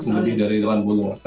lebih dari delapan puluh persen